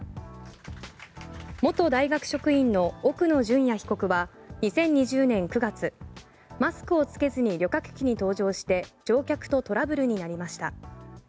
元大学職員の奥野淳也被告は２０２０年９月マスクを着けずに旅客機に搭乗して乗客とトラブルになりました。